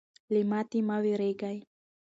له ماتې مه ویرېږئ.